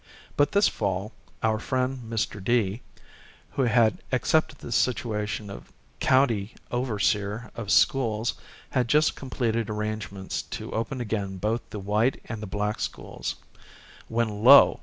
But this fall our friend Mr. D., who had accepted the situa tion of county overseer of schools, had just completed arrangements to open again both the white and the black schools, when, lo